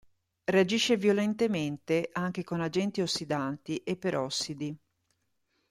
Reagisce violentemente anche con agenti ossidanti e perossidi.